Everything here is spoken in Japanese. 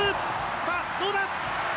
さあどうだ！